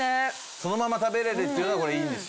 そのまま食べれるっていうのがこれいいんですよ。